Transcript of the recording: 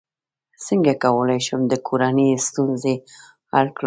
څنګه کولی شم د کورنۍ ستونزې حل کړم